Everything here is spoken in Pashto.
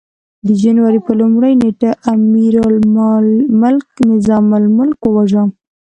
د جنوري پر لومړۍ نېټه امیرالملک نظام الملک وواژه.